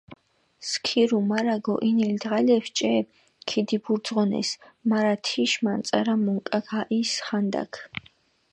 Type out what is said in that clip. სქირუ, მარა გოჸინილ დღალეფს ჭე ქიდიბურძღონეს, მარა თიშ მანწარა მონკაქ აჸის ხანდაქ.